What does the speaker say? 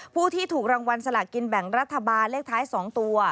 ผู้ที่ถูกรางวัลสลากินแบ่งรัฐบาลเลขท้าย๒ตัว